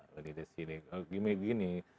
jadi saya ingin mengatakan